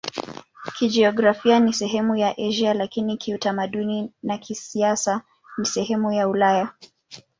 Kijiografia ni sehemu ya Asia, lakini kiutamaduni na kisiasa ni sehemu ya Ulaya.